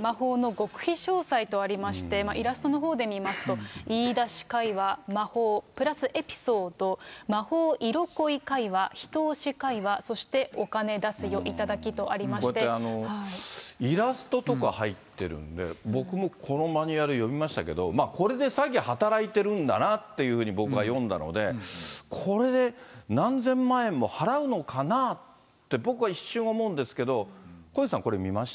魔法の極秘詳細とありまして、イラストのほうで見ますと、言い出し会話、魔法、プラスエピソード、魔法色恋会話、一押し会話、そしてお金出すよ、こうやってイラストとか入ってるんで、僕もこのマニュアル読みましたけど、これで詐欺働いてるんだなってふうに僕は読んだので、これで何千万円も払うのかなって、僕は一瞬思うんですけど、小西さん、これ見ました？